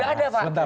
tidak ada partai